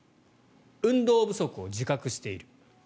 運動不足を自覚している。